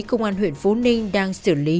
công an huyện phú ninh đang xử lý